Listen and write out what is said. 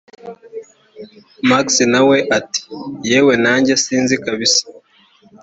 max nawe ati: yewe nanjye sinzi kabisa,